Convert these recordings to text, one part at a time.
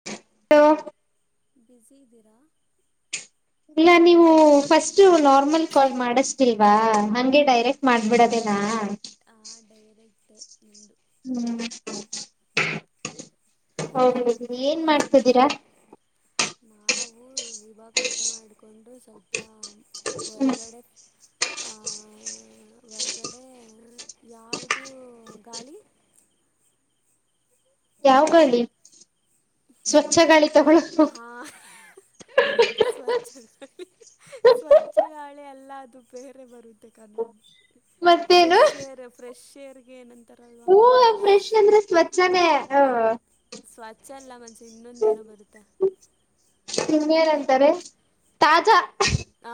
ಹ ಬಿಜಿ ಇದಿರಾ ಇಲ್ಲ ನೀವು ಫಸ್ಟ್ ನಾರ್ಮಲ್ ಕಾಲ್ ಮಾಡಷ್ಟಿಲ್ವಾ ಹಂಗೆ ಡೈರೆಕ್ಟ್ ಮಾಡ್ಬಿಡೋದೇನಾ ಆ ಡೈರೆಕ್ಟ್ ನಿಮ್ದು ಹ್ಮ್ ಹೋಗ್ಲಿ ಬಿಡಿ ಏನ್ ಫ್ರೀ ಮಾಡ್ತದಿರಾ ನಾವು ಇವಾಗ ಊಟ ಮಾಡಿಕೊಂಡು ಸ್ವಲ್ಪ ಹೊರಗಡೆ ಆ ಹೊರಗಡೆ ಯಾವದೂ ಗಾಳಿ ಯಾವ ಗಾಳಿ ಸ್ವಚ್ಛ ಗಾಳಿ ತೊಗೊ ಹಾ ಸ್ವಚ್ಛ ಗಾಳಿ ಸ್ವಚ್ಛ ಸ್ವಚ್ಛ ಗಾಳಿ ಎಲ್ಲ ಅದು ಬೇರೆ ಬರುತ್ತೆ ಕಾನಮಿ ಮತ್ತೇನು ಫ್ರೆಶ್ ಏರ್ ಫ್ರೆಶ್ ಏರ್ ಏನು ಅತ್ತಾರೆ ಹೂ ಫ್ರೆಶ್ ಅಂದ್ರೆ ಸ್ವಚ್ಛನೇ ಹ ಸ್ವಚ್ಛ ಅಲ್ಲ ಇನ್ನೊಂದೇನೋ ಬರುತ್ತೆ [unintelligible] ಅಂತಾರೆ ತಾಜಾ ಹಾ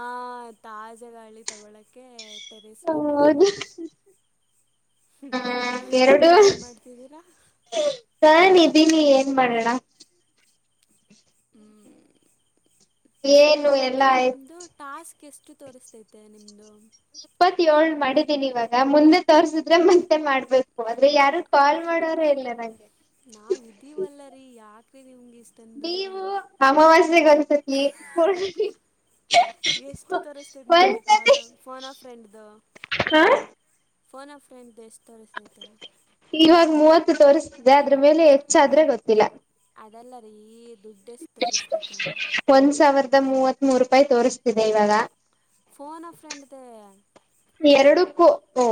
ತಾಜಾ ಗಾಳಿ ತಗೊಳಕ್ಕೆ ಟೆರೇಸ್ ಮೇಲೆ ಹೌದು ಬಂದಿದ್ದೀವಿ ಹ ಎರಡು ನೀವೇನ್ ಮಾಡ್ತಿದ್ದೀರಾ ನಾನ್ ಇದ್ದೀನಿ ಏನ್ ಮಾಡೋಣ ಹ್ಮ್ ಏನು ಮತ್ತೆ ಎಲ್ಲಾ ಆಯ್ತು ನಿಮ್ದು ಟಾಸ್ಕ್ ಎಷ್ಟು ತೋರಿಸ್ತೈತೆ ನಿಮ್ದು ಇಪ್ಪತ್ ಯೋಳ್ ಮಾಡಿದ್ದೀನಿ ಇವಾಗ ಮುಂದೆ ತೋರ್ಸಿದ್ರೆ ಮತ್ತೆ ಮಾಡ್ಬೇಕು ಅದ್ರೆ ಯಾರು ಕಾಲ್ ಮಾಡೋರೆ ನಾವ್ ಇದೀವಲ್ಲ ರೀ ಯಾಕ್ರೀ ನಿಮ್ಗೆ ಇಷ್ ನೀವು ಅಮಾವಾಸ್ಯೆಗೆ ಒಂದ್ ಸತಿ ಪೂರ್ಣಿಮಿಗ್ ಎಷ್ಟು ತೋರಿಸ್ತಿದೆ ನಿಮ್ಗೆ ಕಾಲ್ ಫೋನ್ ಆಫ್ ಫ್ರೆಂಡ್ ದು ಹಾ ಫೋನ್ ಆಫ್ ಫ್ರೆಂಡ್ ದು ಎಷ್ಟ್ ತೋರಿಸ್ತೈತೆ ಇವಾಗ ಮೂವತ್ತು ತೋರಿಸ್ತಿದೆ ಅದ್ರ ಮೇಲೆ ಹೆಚ್ಚಾದ್ರೆ ಗೊತ್ತಿಲ್ಲ ಅದಲ್ಲ ರೀ ದುಡ್ ಒಂದ್ ಸಾವ್ರ್ದ ಮೂವತ್ ಮೂರುಪಾಯಿ ತೋರಿಸ್ತಿದೆ ಇವಾಗ ಫೋನ್ ಆಫ್ ಫ್ರೆಂಡ್ ದೆ ಎರಡುಕ್ಕು ಒ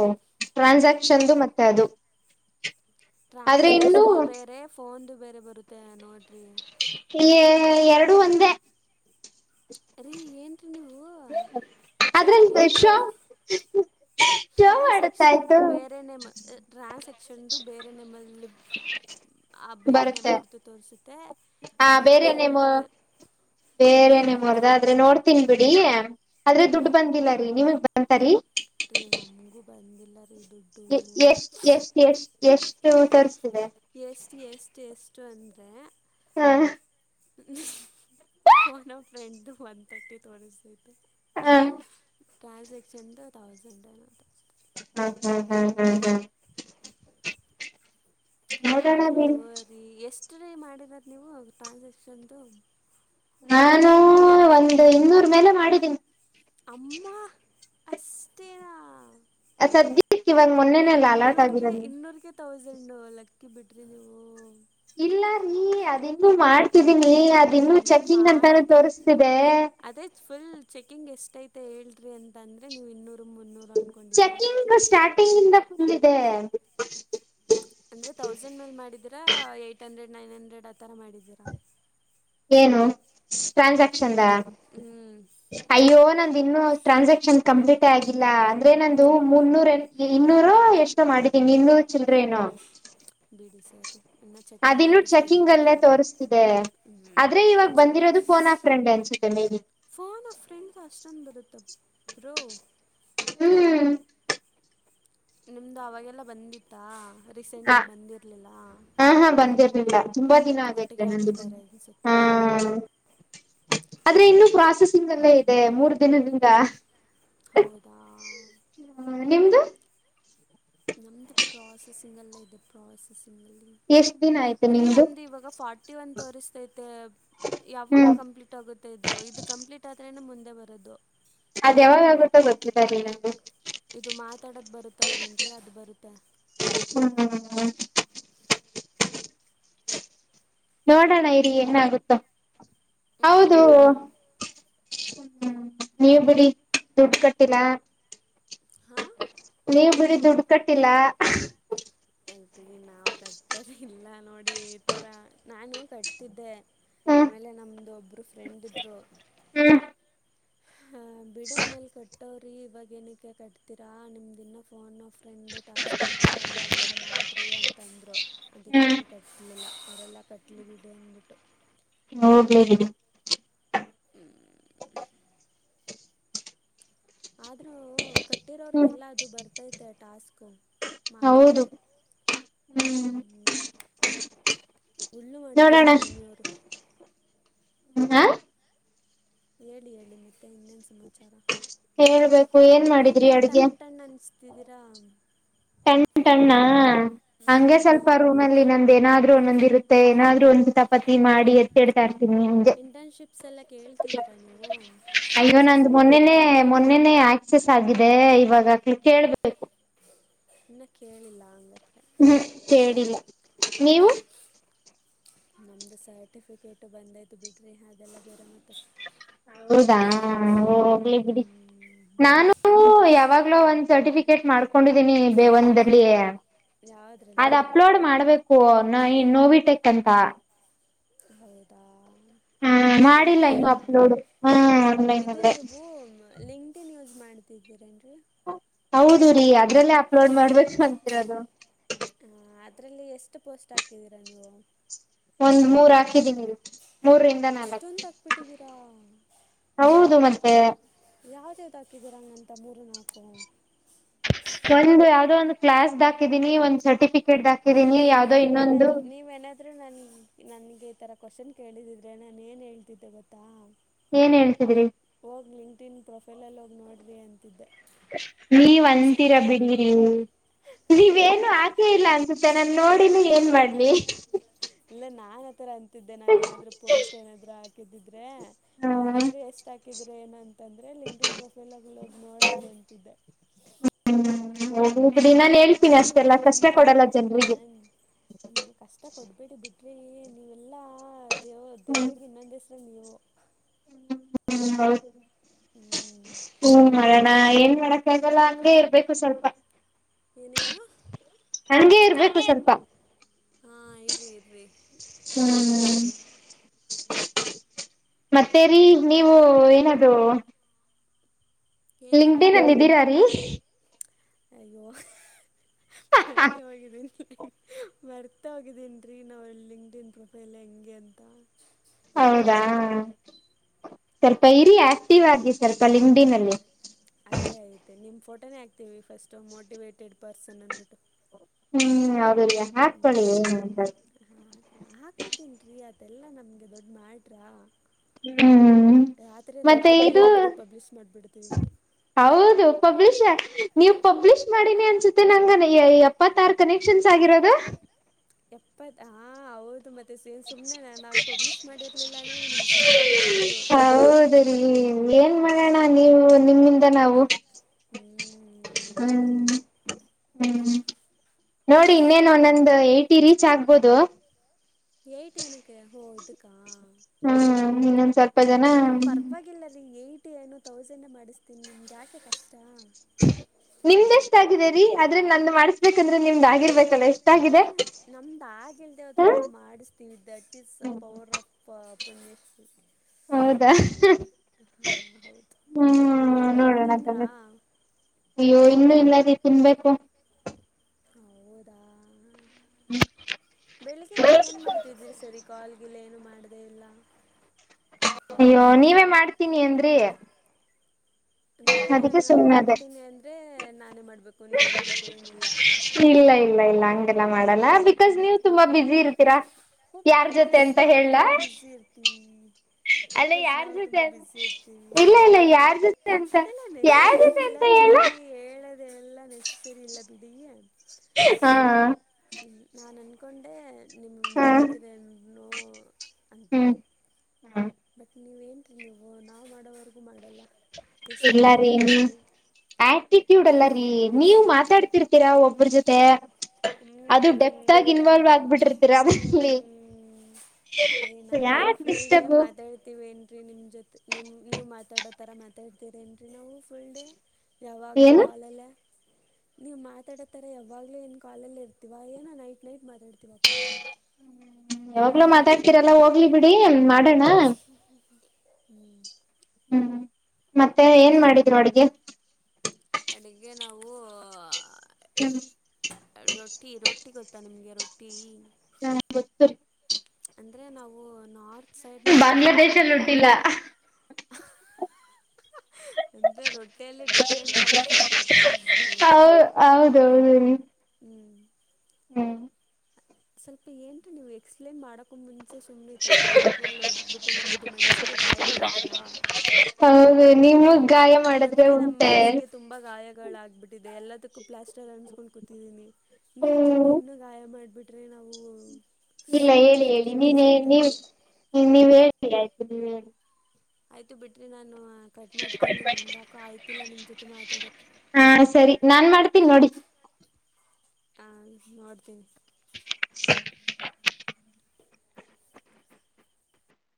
ಟ್ರಾನ್ಸಾಕ್ಷನ್ದು ಮತ್ತೆ ಅದು ಆದ್ರೆ ಇನ್ನು ಟ್ರಾನ್ಸಾಕ್ಷನ್ದು ಬೇರೆ ಫೋನ್ದು ಬೇರೆ ಬರುತ್ತೆ ನೋಡ್ರಿ ಏ ಎರಡು ಒಂದೇ ರೀ ಏನ್ ರೀ ನೀವು ಸೈಕೆ ಆದ್ರೆ ಶೋ ಸ ಶೋ ಟ್ರಾನ್ಸಾಕ್ಷನ್ದು ಮಾಡುತ್ತಾಯ್ತು ಬೇರೆ ಮ್ ಟ್ರಾನ್ಸಾಕ್ಷನ್ದು ಬೇರೆ ನೆಮಲ್ಲಿ ಆ ಬರುತ್ತೆ ಬೇರೆನೆೇಮೊರ್ದು ತೋರಿಸುತ್ತೆ ಫೋನ ಫ್ರೆಂಡ್ ದು ಬೆರ್ ಬೇರೆನೆೇ ನೇಮೊರ್ದ ಆದ್ರೆ ನೋಡ್ತೀನ್ ಬಿಡಿ ಆದ್ರೆ ದುಡ್ ಬಂದಿಲ್ಲ ನಿಮಿಗ್ ಬಂತಾರೀ ರೀ ನಮಗೂ ಬಂದಿಲ್ಲ ರೀ ದುಡ್ ಎ ಎಷ್ಟ್ ಎಷ್ಟ್ ಎಷ್ಟ್ ಎಷ್ಟು ತೋರುಸ್ತಿದೆ ಎಷ್ಟ್ ಎಷ್ಟ್ ಎಷ್ಟು ಅಂದ್ರೆ ಹಾ ಫೋನ ಫ್ರೆಂಡ್ ದು ಒನ್ ತರ್ಟಿ ತೋರಿಸ್ತೈತೆ ಹಾ ಟ್ರಾನ್ಸಾಕ್ಷನ್ದು ಥೌಸಂಡ್ ಏನೊ ಹ ಹ್ಮ ಹ್ಮ ಹಾ ಹ್ಮ ಹ್ಮ್ ನೋಡೋಣ ಆದ್ರು ಬಿಡಿ ರೀ ಎಷ್ಟು ರೀ ಮಾಡಿರೋದು ನೀವು ಟ್ರಾನ್ಸಾಕ್ಷನ್ದು ನಾನು ಒಂದು ಇನ್ನೂರ್ ಮೇಲೆ ಮಾಡಿದ್ದೀನಿ ಅಮ್ಮ ಅಷ್ಟೇ ಯಾ ಸದ್ಯಕ್ಕಿವಾಗ ಮೊನ್ನೆನೆೆಲ್ಲ ಅಲರ್ಟ್ ಇನ್ನೂರಿಗೆ ಆಗಿರೋದು ಇನ್ನೂರಿಗೆ ತೌಸಂಡು ಲಕ್ಕಿ ಬಿಡ್ರಿ ನೀವು ಇಲ್ಲ ರೀ ಅದಿನ್ನು ಮಾಡ್ತಿದೀನಿ ಅದಿನ್ನು ನೀವು ಚೆಕಿಂಗ್ ಅಂತಾನೂ ಮಾಡ್ತೀರಿ ತೋರಿಸ್ತಿದೆ ಅದೇ ಫುಲ್ ಚೆಕಿಂಗ್ ಎಷ್ಟೈತೆ ಹೇಳ್ರಿ ಅಂತಂದ್ರೆ ನೀವು ಇನ್ನೂರು ಮುನ್ನೂರು ಅಂದ್ಕೊಂಡಿದ್ದೀರಾ ಚೆಕಿಂಗ್ ಸ್ಟಾರ್ಟಿಂಗ್ ಇಂದ ಫುಲ್ ಇದೆ ಅಂದ್ರೆ ತೌಸಂಡ್ ಮೇಲೆ ಮಾಡಿದ್ದೀರಾ ಎಯ್ಟ್ ಹಂಡ್ರೆಡ್ ನೈನ್ ಹಂಡ್ರೆಡ್ ಆ ಥರ ಮಾಡಿದ್ದೀರಾ ಏನು ಟ್ರಾನ್ಸಾಕ್ಷನ್ದಾ ಇದು ಹ್ಞೂ ಅಯ್ಯೋ ನಂದು ಇನ್ನುೂ ಟ್ರಾನ್ಸಾಕ್ಷನ್ ಕಂಪ್ಲೀಟೇ ಆಗಿಲ್ಲ ಅಂದ್ರೆ ನಂದು ಮುನ್ನೂರ [unintelligible] ಇನ್ನೂರು ಎಷ್ [unintelligible] ಮಾಡಿದೀನಿ ಇನ್ನೂರು ಚಿಲ್ರೇನು ಬಿಡಿ ಸರಿ ಅದ ಇನ್ನೂ ಚಕ್ಕಿಂಗ್ ಅಲ್ಲೇ ತೋರಿಸ್ತಿದೆ ಆದ್ರೆ ಇವಾಗ ಚೆ ಬಂದಿರೋದು ಫೋನ ಅ ಫ್ರೆಂಡ ಹಚ್ಚತೀನಿ ಫೋನ್ ಅ ಫ್ರೆಂಡ್ ಅಷ್ಟೊಂದು ಬರುತ್ತ ಬ್ರೋ ಹ್ಮ್ ನಿಮ್ದು ಅವಾಗೆಲ್ಲ ಬಂದಿತ್ತಾ ರೀಸೆಂಟಾಗಿ ಬಂದಿರ್ಲಿಲ್ಲ ಇಲ್ಲ ತುಂಬಾ ದಿನ ಆಗೈತ ನಂದು ಹಾಕಿದ್ದಾರೆ ಬಂದು ಅನಿಸುತ್ತೆ ಹಾ ಹ್ಞೂ ಆದ್ರೆ ಇನ್ನುೂ ಪ್ರಾಸೆಸಿಂಗ್ ಅಲ್ಲೇ ಇದೆ ಮೂರು ದಿನದ ಹಿಂದೆ ಹೌದಾ ಹೌದಾ ನಿಮ್ದು ನಮ್ದು ಪ್ರಾಸೆಸಿಂಗ್ ಅಲ್ಲ ಇದೆ ಪ್ರಾಸೆಸಿಂಗ್ ಅಲ್ಲಿ ಎಷ್ಟ್ ದಿನ ಆಯ್ತು ರಿ ನಿಮ್ದು ನಮ್ದು ಇವಾಗ ಫಾರ್ಟಿ ಫಾರ್ಟಿ ಒನ್ ತೋರಿಸತೈತೆ ಯಾವಾಗ ಹ್ಮ್ ಕಂಪ್ಲೀಟ್ ಆಗುತ್ತೆ ಇದು ಇದು ಕಂಪ್ಲೀಟ್ ಆದ್ರೇನೆ ಮುಂದೆ ಬರೋದು ಅದ ಯಾವಾಗಾಗುತ್ತೋ ಗೊತ್ತಿಲ್ಲ ರಿ ನನಗೂ ಇದು ಮಾತಾಡದ ಬರುತ್ತ ಅಲ್ವೇನ್ರಿ ಅದು ಬರುತ್ತಾ ಹ್ಮ್ ನೋಡೋಣ ಇರಿ ಏನಾಗುತ್ತ ಹೌದು ಹ್ಞೂ ಹ್ಮ್ ನೀವ್ ಬಿಡಿ ದುಡ್ಡ ಕಟ್ಟಿಲ್ಲ ಹಾ ನೀವ ಬಿಡಿ ದುಡ್ಡು ಕಟ್ಟಿಲ್ಲ ನಾವು ಕಟ್ಟದೆ ಇಲ್ಲ ನೋಡಿ ಈ ತರ ನಾನು ಕಟ್ತಿದ್ದೆ ಹ್ಮ್ ಆಮೇಲೆ ನಮ್ದು ಒಬ್ರು ಫ್ರೆಂಡ್ ಇದ್ರು ಹಾ ಅಹ್ ಬಿಡೋ ಆಮೇಲೆ ಕಟ್ಟವ್ರಿ ಇವಾಗ ಏನಕ್ಕೆ ಕಟ್ತೀರಾ ನಿಮ್ದಿನ phone a friend task complete ಆಗಿಲ್ಲಲ್ಲ ಮಾಡಿರಿ ಅಂತಂದರು ಅದಕ್ಕೆ ಹ್ಮ್ ನಾನು ಕಟ್ಲಿಲ್ಲ ಅವರೆಲ್ಲ ಕಟ್ಲಿ ಬಿಡು ಅಂದ್ಬಿಟ್ಟು ಹೋಗ್ಲಿ ಬಿಡಿ ಹ್ಮ್ ಆದ್ರೂ ಹ್ಮ್ ಕಟ್ಟಿರೋರ್ಗೆಲ್ಲ ಅದು ಬರ್ತೈತೆ ಟಾಸ್ಕ್ ಹೌದು ಮಾತಾಡದು ಹೂ ಹ್ಮ್ ಇಲ್ಲು ಮಾಡ್ತಾರೆ ನೋಡೋಣ ಭೂಮಿ ಅವರು ಹಾ ಹೇಳಿ ಹೇಳಿ ಮತ್ತೆ ಇನ್ನೇನು ಸಮಾಚಾರ ಹೇಳ್ಬೇಕು ಏನ್ ಮಾಡಿದ್ರಿ ಏನೋ ಅಡ್ಗೆ ಟಣ್ ಟಣ್ ಅನಸ್ತದೆ [unintelligible] ತೀದೀರಾ ಟಣ್ಣ ಟಣ್ಣ ಹಂಗೆ ಸ್ವಲ್ಪ ರೂಮ್ ಅಲ್ಲಿ ನಂದ ಏನಾದ್ರು ಒಂದೊಂದ್ ಇರುತ್ತೆ ಏನಾದ್ರು ಒಂದು ಕಿತಾಪತಿ ಮಾಡಿ ಕೇಳ್ತಾ ಇರ್ತೀನಿ ನಂಗೆ ಇಂಟರ್ನ್ಶಿಪ್ಸ್ ಎಲ್ಲ ಕೇಳ್ತಿದ್ದೀರಾ ನೀವು ಅಯ್ಯೋ ನಂದ ಕ್ಲಾಸಸ್ಸು ಮೊನ್ನೆನ ಮೊನ್ನೆನೆ ಆಕ್ಸಸ್ ಆಗಿದೆ ಇವಾಗಕ್ಲ ಕೇಳ್ಬೇಕು ಇನ್ನೂ ಕೇಳಿಲ್ಲ ಹಂಗಾದ್ರೆ ಹ್ಮ್ ಕೇಳಿಲ್ಲ ನೀವು ನಮ್ದು ಸರ್ಟಿಫಿಕೇಟ್ ಬಂದೈತು ಬಿಡ್ರಿ ಅದೆಲ್ಲ ಬೇರೆ ಮತ್ತ ಹೌದಾ ಹೋಗ್ಲಿ ಬಿಡಿ ನಾನು ಯಾವಾಗ ಒಂದ್ ಸರ್ಟಿಫಿಕೇಟ್ ಮಾಡ್ಕೊಂಡಿದೀನಿ ಬೇ ಒಂದಲ್ಲಿ ಅದ್ ಯಾವುದ್ರಲ್ಲಿ ಅಪ್ಲೋಡ್ ಮಾಡ್ಬೇಕು ನೋವಿಟೆಕ್ ಅಂತ ಹೌದಾ ಆನ್ಲೈನ್ ಮಾಡಿಲ್ಲ ಅಲ್ಲ ಇನ್ನು ಅಪ್ಲೋಡ್ ಹಾ ಆನ್ಲೈನ್ ಇದು ಅಲ್ಲೇ ನೀವು ಲಿಂಕ್ ಮತ್ತೇನ ಯೂಸ್ ಮಾಡ್ತಿದ್ದೀರೇನ್ ರೀ ಹೌದು ರೀ ಅದ್ರಲ್ಲೇ ಅಪ್ಲೋಡ್ ಮಾಡ್ಬೇಕು ಅಂತಿರೋದು ಹ ಅದರಲ್ಲಿ ಎಷ್ಟ ಪೋಸ್ಟ್ ಹಾಕಿದ್ದೀರಾ ನೀವು ಒಂದ್ ಮೂರ ಹಾಕಿದೀನಿ ಮೂರರಿಂದ ನಾಲ್ಕು ಅಷ್ಟೊಂದ್ ಹಾಕ್ಬಟ್ಟಿದ್ದೀರಾ ಹೌದು ಮತ್ತೆ ಯಾವ್ದ ಯಾವ್ದ ಹಾಕಿದ್ದರಿಂಗಂತ ಮೂರು ನಾಲ್ಕು ಒಂದ್ ಯಾವ್ದೋ ಒಂದ್ ಕ್ಲಾಸ್ ಹಾಕಿದೀನಿ ಒಂದ್ ಸರ್ಟಿಫಿಕೇಟ್ ಹಾಕ ಹ್ಮ್ ನೀವೇನದ ನೀವೇನದ ಆದ್ರು ನನ್ ನನ್ಗೆ ಈ ತರ ಕ್ವಶನ್ ಕೇಳಿದಿದ್ರೆ ನಾನ ಏನ್ ಹೇಳ್ತಿದ್ದೆ ಗೊತ್ತಾ ಏನ್ ಹೇಳ್ತಿದ್ರಿ ಹೋಗ ಲಿಂಕ್ಡ್ ಇನ್ ಪ್ರೊಫೈಲಲ್ಲ ಹೋಗ ನೋಡ್ರಿ ಅಂತಿದ್ದೆ ನೀವ್ ಅಂತೀರ ಬಿಡಿರಿ ನೀವು ನೀವೇನು ಆಕೆ ಇಲ್ಲ ಅನ್ಸುತ್ತೆ ನಾನ ನೋಡಿನಿ ಏನ್ ಮಾಡ್ಲಿ ಇಲ್ಲ ನಾನ್ ಆತರ ಅಂತ ತ್ತಿದೆ ನಾನ ಏನಾದ್ರು ಪೋಸ್ಟ್ ಏನಾದ್ರು ಹಾಕಿದಿದ್ರೆ ಹ್ಮ್ ಯಾರಾದ್ರೂ ಎಷ್ಟ್ ಹಾಕಿದ್ರಿ ಏನಂತ ಅಂದ್ರೆ ಲಿಂಕ್ಡ್ ಇನ್ ಪ್ರೊಫೈಲ ಆಗಲೋಗ ನೋಡರಿ ಅಂತಿದ್ದೆ ಹ್ಮ್ ಹೋಗ್ಲಿ ಬಿಡಿ ನಾನ ಹೇಳ್ತೀನಿ ನೀವು ಅಷ್ಟೆಲ್ಲ ನೀವು ಕಷ್ಟ ಕೊಡಲ್ಲ ಜನ್ರಿಗೆ ನಿಮಗ ಕಷ್ಟ ಕೊಡಬೇಡಿ ಬಿಡ್ರಿ ನೀವೆಲ್ಲ ದೇವ್ ಹ್ಮ್ ದೇವ್ರಿಗ ಇನ್ನೊಂದ ಹೆಸ್ರೆ ನೀವು ಹ್ಮ್ ಹೌದು ಹ್ಮ್ ಹ್ಮ್ ಮಾಡಣ ಏನ್ ಮಾಡಕ್ಕ ಆಗಲ್ಲ ಹಂಗೆ ಇರ್ಬೇಕು ಸ್ವಲ್ಪ ಏನೇನು ಹಂಗೆ ಇರ್ಬೇಕು ಸ್ವಲ್ಪ ಹಾ ಇರಿ ಇರಿ ಹಂಗೆ ಹ್ಮ್ ಇರಿ ಮತ್ತೆ ರೀ ನೀವು ಏನದು ಏನು ಲಿಂಕಡಿನ್ಲ್ ಇದ್ದೀರ್ ರಿ ಅಯ್ಯೋ ಮರ್ತೆ ಹೋಗಿದ್ದಿನಿ ಮರ್ತೆ ಹೋಗಿದ್ದೀನ್ ರೀ ನಾವಲ್ಲ್ ಲಿಂಕ್ಡ್ ಇನ್ ಪ್ರೊಫೈಲ್ ಹೆಂಗೆ ಅಂತ ಹೌದಾ ಸ್ವಲ್ಪ ಇರಿ ಹೌದು ಆಕ್ಟಿವ್ ಆಗಿ ಸ್ವಲ್ಪ ಲಿಂಕಡಿನಲ್ಲಿ ಅದೇ ಐತೆ ನಿಮ್ಮ ಫೋಟನೇ ಹಾಕ್ತೀವಿ ಫಸ್ಟ್ ಮೋಟಿವೇಟೆಡ್ ಪರ್ಸನ್ ಅಂದ್ಬಟ್ಟು ಹ್ಮ್ ಹೌದು ಹುಲಿಯಾ ಹ್ಮ್ ಹಾ ಹಾಕೋತಿನ್ರಿ ಅದೆಲ್ಲಾ ನಮ್ಗೆ ದೊಡ್ ಮ್ಯಾಟ್ರ್ ಹ್ಮ್ ರಾತ್ರಿ ಮತ್ತೆ ರಾತ್ರಿನೇ ಇದು ನಿಮ್ದು ಪಬ್ಲಿಷ್ ಮಾಡ್ಬಿಡ್ತೀವಿ ಹೌದು ಪಬ್ಲಿಷ್ ನೀವು ಪಬ್ಲಿಷ್ ಮಾಡೀನಿ ಅನ್ಸುತ್ತ ಮತ್ತೆ ನಂಗನ್ ಎಪ್ಪತ್ತಾರ ಕನೆಕ್ಷನ್ಸ್ ಆಗಿರೋದ ಎಪ್ಪತ್ ಹಾ ಹೌದು ಮತ್ತ್ ತ್ತೆ ಸೇನ್ ಸುಮ್ಮನೆ ನಾ ನಾವ್ ಪಬ್ಲಿಷ್ ಮಾಡಿರಲಿಲ್ಲ ಅಂದ್ರೆ ನಿಮ್ಗ ಝೀರೋ ಇರ್ತಿದ್ರು ಹೌದು ಏನ್ ಮಾಡಣ ನೀವು ನಿಮ್ಮಿಂದ ಮಿಂದ ನಾವು ಹ್ಮ್ ಹ್ಮ್ ನಮ್ಮಿಂದಾನೇ ನೀವು ಹ್ಮ್ ನೋಡಿ ಇನ್ನೇನು ಒನ್ನ ನೊಂದು ಏಟಿ ರೀಚ್ ಆಗ್ಬೋದು ಎಟ ಏನಕ್ಕೆ ಹೋ ಇದುಕ್ಕಾ ಹ್ಮ್ ಇನ್ನೊಂದ್ ಸ್ವಲ್ಪ ಜನ ನೀವ್ ಪರವಾಗಿಲ್ಲ ರೀ ಏಟಿ ಏನು ತೌಸಂಡೆ ಮಾಡಿಸ್ತೀನಿ ನಿಮ್ಗ ಯಾಕೆ ಕಷ್ಟ ನಿಮ್ದ ಎಷ್ಟ ಆಗಿದೆರಿ ಆದ್ರೆ ನಂದು ಮಾಡಸ್ಬೇಕಂದ್ರೆ ನಿಮ್ದ ಆಗಿರ್ಬೇಕಲ್ಲ ಎಷ್ಟ. ಏನು ನಮ್ದ್ ಆಗಲ್ದೆ ಹೋದ್ರು ಹ್ಮ ನಾವು ಮಾಡಿಸ್ತೀವಿ ದಟ್ ಈಸ್ ಪವರ್ ಆಫ್. ಪ ಪುಣ್ಯಾಶ್ರೀ. ಹೌದಾ. ಹೌದು ಹ್ಮ್ ನೀವೇನು ನೋಡೋಣ ತಗ ತಿಂದ್ರಾ. ಅಯ್ಯೋ ಇನ್ನುೂ ಇಲ್ಲಾರಿ ತಿನ್ಬೇಕು. ಹೌದಾ. ಬೆಳಗೆ ಇಂದ ಏನ್ ಮಾಡ್ತಿದ್ದೀರಿ ಸರಿ ಕಾಲ್ಗಿಲ್ಲ ಏನು ಮಾಡ್ದೇ ಇಲ್ಲ. ಅಯ್ಯೋ ನೀವೇ ಮಾಡ್ತೀನಿ ಅಂದ್ರೀ. ಅಂದ್ರೆ ನಾನು ಸುಮ್ನೆ ಅದೇ ಮಾಡ್ತೀನಿ ಅಂದ್ರೆ ನಾನೇ ಮಾಡ್ಬೇಕು ನೀವು ಮಾಡೋದೇಏನಿಲ್ಲ. ಇಲ್ಲ ಇಲ್ಲ ಇಲ್ಲ ಹಗೆಲ್ಲ ಮಾಡಲ್ಲ ಬಿಕಾಸ್ ನೀವ್ ತುಂಬಾ ಬಿಸಿ ಇರ್ತೀರಾ. ಹ ಯಾರ್ ಜೊತೆ ಬಿಕಾಸ್ ಅಂತ ನಾವು ಹೇಳ ತುಂಬಾ ಬುಸಿ ಇರ್ತೀವಿ. ಅಲ್ಲ ಬಿಕಾಸ್ ಯಾರ್ ನಾವು ತುಂಬಾ ಜೊತೆ ಬಸಿ ಇರ್ತೀನಿ ಇಲ್ಲ ಇಲ್ಲ ಅದೆಲ್ಲ ಯಾರ್ ಬ. ಜೊತೆ ಅಂತ ಅದೆೇಲ್ಲ ಯಾರ್ ನೆಸಸರಿ ಜೊತೆ ಇಲ್ಲ ಅಂತ ರೀ ಹೇಳ ಹೇಳೋದೆ ಎಲ್ಲ ನೆಸಸರಿ ಇಲ್ಲ ಬಿಡಿ. ಹಾ ಹ ನಾನು ಅನ್ಕೊಂಡೆ ನಿಮ್ಗೆ ಹಾ ಮಾಡ್ತಿರೇನೋ. ಹ್ಮ್ ಹ್ಮ್ ಬಟ್ ನೀವೇನ್ರಿ ನೀವು ನಾವು ಮಾಡೋವರೆಗೂ ಮಾಡಲ್ಲ ಎಸ್ಟ್ ಇಲ್ಲ ರೀ ಆಟಿಟ್ಯೂಡ್ ನೀವು ಇದ್ದೀವಿ. ಆಟಿಟ್ಯೂಡ್ ಅಲ್ಲ ರೀ ನೀವ್ ಮಾತಾಡ್ತಿರ್ತೀರಾ ಒಬ್ಬ್ರ ಜೊತೆ. ಅದು ಡೆಪ್ಟ ಆಗಿ ಇನ್ವಾಲ್ವ್ ಹ್ಮ್ ಆಗ್ಬಿಟ್ಟಿರ್ತೀರಾ ಅಲ್ಲಿ. ಅರಿ ನಾವೇನ್ ಫುಲ್ ಡೇ ಡಿಸ್ಟರ್ಬ್ ಮಾತಾಡ್ತಿವಿ ಏನ್ರೀ ನಿಮ ಜೊತೆ. ನಿಮ್ಮ ನೀವು ಮಾತಾಡೋ ಥರ ಮಾತಾಡ್ತೀರೇನು ರಿ ನಾವು ಫುಲ್ ಡೇ. ಯಾವಾಗಲೂ ಏನು ಕಾಲ್ ಅಲ್ಲೇ ನೀವು ಮಾತಾಡತ್ತರ ಯಾವಾಗಲೂ ಏನು. ಕಾಲ್ ಅಲ್ಲೇ ಇರ್ತೀವ ಏನೋ ನೈಟ್ ನೈಟ್ ಮಾತಾಡ್ತೀವಪ್ಪ. ಯಾವಾಗಲ ಮಾತಾ. ರೆಲ್ಲ ಹೋಗ್ಲಿ ಬಿಡಿ ಮಾಡೋಣ. ಹ್ಮ್ ಮತ್ತೆ ಏನ್ ಮಾಡಿದ್ರು ಅಡ್ಗೆ. ಅಡುಗೆ ನಾವು. ಕೆ [unintelligible] ರೊಟ್ಟಿ ರೊಟ್ಟಿ ಗೊತ್ತಾ ನಿಮಗೆ ರೊಟ್ಟಿ. ಹ್ಮ ಗೊತ್ತು ರಿ. ಅಂದರೆ ನಾವು ನಾರ್ತ್ ಸೈಡ್ ಮಾಡೋದಲ್ಲ. ಇಟ್ಟಿಲ್ಲ. [unintelligible] ಅಂದ್ರೆ ರೊಟ್ಟಿಯಲ್ಲಿ ಡಿಫ್ರೆಂಟ್ ಟೈಪ್ಸ್ ಆಫ್ ರೊಟ್ಟಿಸ್ ಇದೆ. ಹೌ ಹೌದೌದು ಹ್ಮ್ ಹ್ಮ್ ಸ್ವಲ್ಪ ಏನ್ರೀ ನೀವು ಎಕ್ಸ್ಪ್ಲೇನ್ ಮಾಡ. [unintelligible] ಮುಂಚೆ ಸುಮ್ನೆ ಈ ತರ ಡೈಲಾಗ್ ಗಳು ಓಡದ್ಬಿಟ್ಟು ನಮ್ದು ಮನ್ಸ್ಸಿಗೆ ಗಾಯ ಮಾಡ್ತೀರಾ. ಹೌದು ನಿಮಗೆ ಗಾಯ ಮಾಡಿದ್ರೆ ಉಂಟೆ. ತುಂಬಾ ಗಾಯಗಳಾಗ್ಬಿಟ್ಟಿದೆ ಎಲ್ಲದಕ್ಕೂ ಪ್ಲಾಸ್ಟರ್ ಅನ್ಸಸ್ಕೊಂಡು ಕುೂತಿದ್ದೀನಿ. ನೀವು ತುಂಬಾ ಹ್ಮ್ ಇನ್ನುೂ ಗಾಯ ಮಾಡಬಿಟ್ರೆ ನಾವು. ಇಲ್ಲ ಹೇಳಿ ಹೇಳಿ ಬದುಕಿದ್ದು ನೀನ್ ನೀವ ಸತ್ತಾಗೆ ನೀವ ಹೇಳಿಲ್ಲ ಆಯ್ತು ನೀವ್ ಹೇಳಿ. ಆಯ್ತು ಬಿಡ್ರಿ ನಾನು ಕಟ್ ಮಾಡ್ತೀನಿ ನಮ್ಗೆ ಯಾಕೋ ಆಯ್ತಿಲ್ಲ ನಿಮ್ ಜೊತೆ ಮಾತಾಡಕ್ಕೆ. ಹಾ ಸರಿ ನಾನ್ ಮಾಡ್ತೀನಿ ನೋಡಿ. ಆ ನೋಡ್ತೀನಿ. [inaudible]